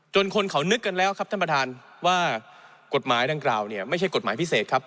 คนเขานึกกันแล้วครับท่านประธานว่ากฎหมายดังกล่าวเนี่ยไม่ใช่กฎหมายพิเศษครับ